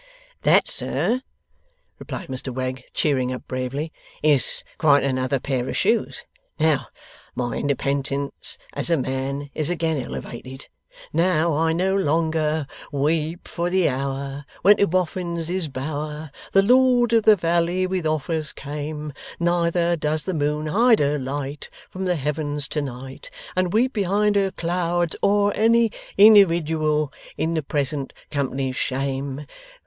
'That, sir,' replied Mr Wegg, cheering up bravely, 'is quite another pair of shoes. Now, my independence as a man is again elevated. Now, I no longer Weep for the hour, When to Boffinses bower, The Lord of the valley with offers came; Neither does the moon hide her light From the heavens to night, And weep behind her clouds o'er any individual in the present Company's shame.